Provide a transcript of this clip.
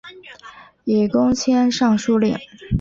以功迁尚书令。